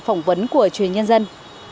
phỏng vấn của chuyên nhân dân